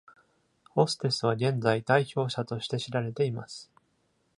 ホステスは現在、代表者として知られています。